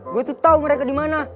gue tuh tau mereka di mana